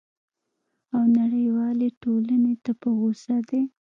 او نړیوالي ټولني ته په غوصه دی!